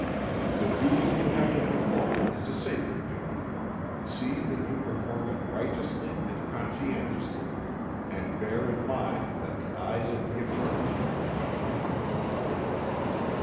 The duty you have to perform is a sacred duty see that you perform it righteously and conscientiously, and bear in mind that the eyes of the Eternal are upon you."